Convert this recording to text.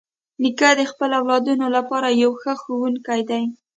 نیکه د خپلو اولادونو لپاره یو ښه ښوونکی دی.